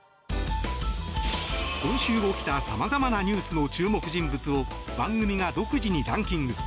今週起きたさまざまなニュースの注目人物を番組が独自にランキング。